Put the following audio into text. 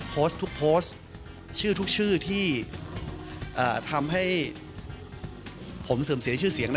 โพสต์ทุกโพสต์ชื่อทุกชื่อที่ทำให้ผมเสื่อมเสียชื่อเสียง